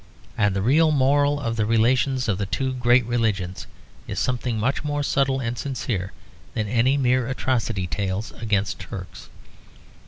And the real moral of the relations of the two great religions is something much more subtle and sincere than any mere atrocity tales against Turks.